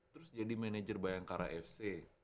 terus jadi manajer bayangkara fc